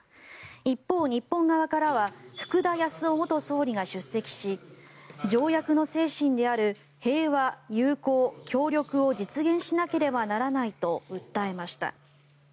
一方、日本側からは福田康夫元総理が出席し条約の精神である平和、友好、協力を実現しなければならないと訴えました。